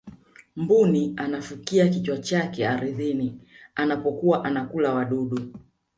mbuni anafukia kichwa chake ardhini anapokuwa anakula wadudu